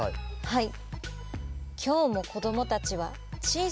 はい。